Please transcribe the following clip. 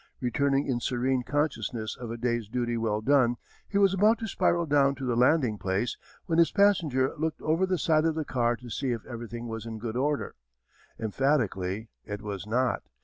Returning in serene consciousness of a day's duty well done, he was about to spiral down to the landing place when his passenger looked over the side of the car to see if everything was in good order. Emphatically it was not.